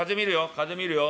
風見るよ。